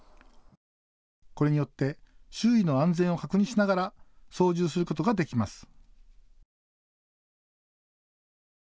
これによって周囲の安全を確認しながら操縦することができます。